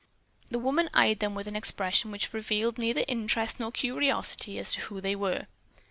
The woman eyed them with an expression which revealed neither interest nor curiosity as to who they were.